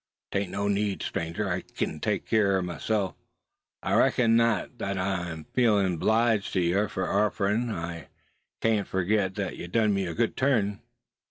"'Tain't no need, stranger; I kin take keer o' myself, I reckon. Not that I ain't feelin' 'bliged to ye, fur offerin'. I kain't furgit thet ye done me a good turn.